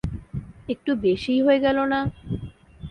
একটু বেশিই হয়ে গেল না?